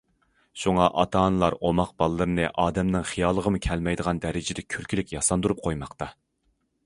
شۇڭا ئاتا- ئانىلار ئوماق بالىلىرىنى ئادەمنىڭ خىيالىغىمۇ كەلمەيدىغان دەرىجىدە كۈلكىلىك ياساندۇرۇپ قويماقتا.